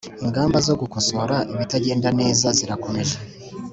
ingamba zo gukosora ibitagenda neza zirakomeje